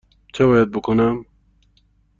چه باید بکنم؟